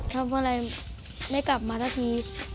ทำอะไรไม่กลับมาสักที